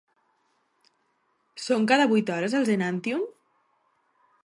Són cada vuit hores els Enantyum?